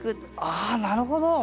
ああなるほど。